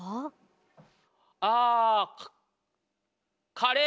カカレー